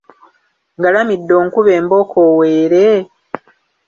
Ngalamire onkube embooko oweere?